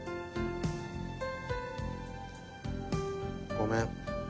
ごめん。